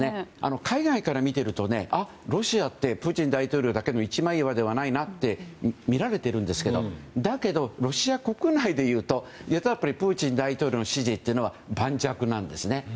海外から見ているとロシアってプーチン大統領だけの一枚岩ではないなって見られているんですけどだけどロシア国内でいうとやっぱりプーチン大統領の支持は盤石なんですね。